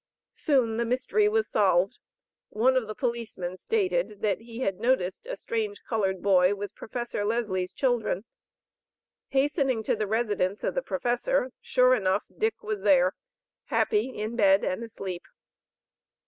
Soon the mystery was solved; one of the policemen stated that he had noticed a strange colored boy with Professor Lesley's children. Hastening to the residence of the professor, sure enough, Dick was there, happy in bed and asleep.